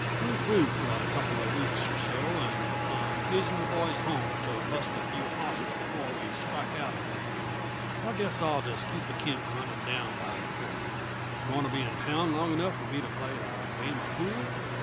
We're through for a couple uh weeks or so, and I'm hazing the boys home to bust a few hosses before we strike out again. I guess I'll just keep the camp running down by the creek. Going to be in town long enough for me to play a game uh pool?"